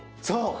そう。